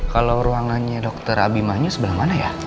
kalau ruangannya dr abimanyu sebelah mana ya